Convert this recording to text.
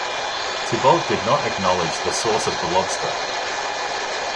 Thibault did not acknowledge the source of the lobster.